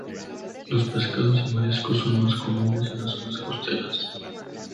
Los pescados y mariscos son más comunes en las zonas costeras.